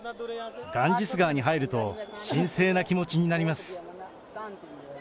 ガンジス川に入ると、神聖な気持ちになります。